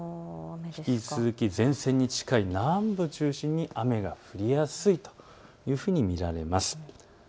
引き続き前線に近い南部を中心に雨が降りやすいと見られます。